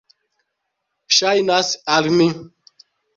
Ŝajnas al mi.